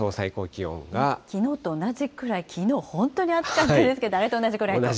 きのうと同じくらい、きのう、本当に暑かったですけど、あれと同じくらいと。